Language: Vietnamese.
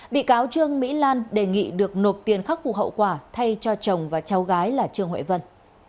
bị cáo trương mỹ lan đề nghị được nộp tiền khắc phục hậu quả thay cho chồng và cháu gái là trương huệ vân